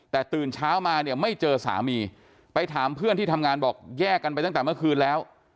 แต่ตื่นเช้ามาเนี่ยไม่เจอสามีไปถามเพื่อนที่ทำงานบอกแยกกันไปตั้งแต่เมื่อคืนแล้ว